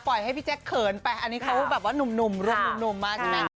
ปล่อยให้พี่แจ๊คเขินไปอันนี้เขาแบบว่านุ่มมากใช่ไหม